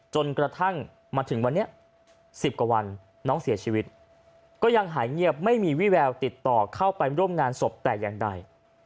จนกระทั่งมาถึงวันนี้๑๐กว่าวันน้องเสียชีวิตก็ยังหายเงียบไม่มีวิแววติดต่อเข้าไปร่วมงานศพแต่อย่างใด